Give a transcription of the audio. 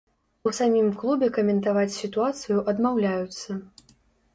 У самім клубе каментаваць сітуацыю адмаўляюцца.